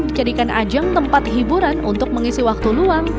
dijadikan ajang tempat hiburan untuk mengisi waktu luang